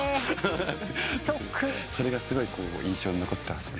それがすごい印象に残ってます。